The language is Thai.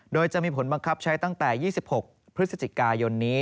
โดยจะมีผลบังคับใช้ตั้งแต่๒๖พฤศจิกายนนี้